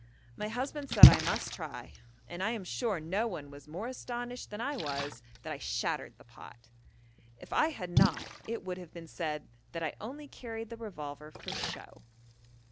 My husband said I must try, and I am sure no one was more astonished than I was that I shattered the pot. If I had not it would have been said that I only carried the revolver for show.